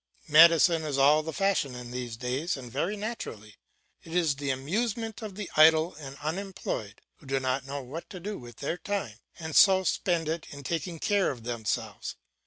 Medicine is all the fashion in these days, and very naturally. It is the amusement of the idle and unemployed, who do not know what to do with their time, and so spend it in taking care of themselves.